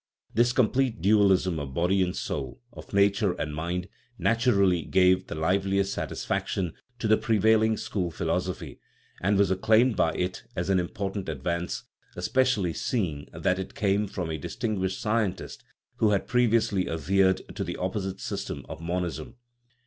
This complete dualism of body and soul, of nature and mind, naturally gave the liveliest satis faction to the prevailing school philosophy, and was acclaimed by it as an important advance, especially seeing that it came from a distinguished scientist who had previously adhered to the opposite system of mon ism.